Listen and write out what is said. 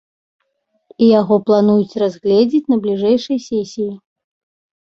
І яго плануюць разгледзець на бліжэйшай сесіі.